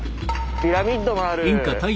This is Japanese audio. ピラミッドもある。